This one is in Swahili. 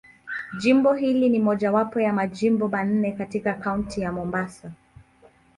Jimbo hili ni mojawapo ya Majimbo manne katika Kaunti ya Mombasa.